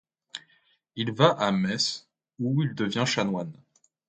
Il va à Metz où il devient chanoine.